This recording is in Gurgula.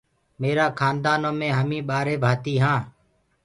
ميرآ خآندآ نو مي همي ٻآرهي ڀآتي هآن۔